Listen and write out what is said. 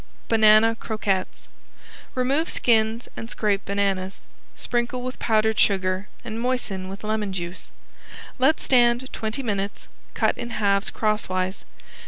~BANANA CROQUETTES~ Remove skins and scrape bananas. Sprinkle with powdered sugar and moisten with lemon juice. Let stand twenty minutes; cut in halves crosswise.